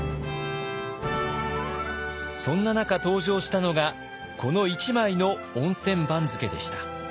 そんな中登場したのがこの１枚の温泉番付でした。